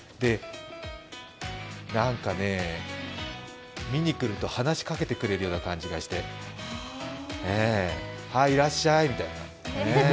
なんかね、見に来ると話しかけてくれるような感じがして、はい、いらっしゃいみたいな。